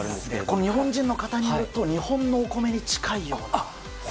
この日本人の方によると日本のお米に近いようで。